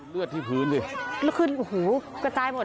แล้วคืออู่หูกระจายหมด